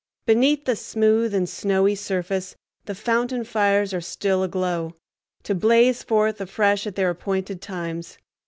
Beneath the smooth and snowy surface the fountain fires are still aglow, to blaze forth afresh at their appointed times.